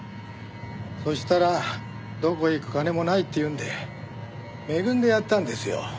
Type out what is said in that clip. そしたらどこへ行く金もないって言うんで恵んでやったんですよ。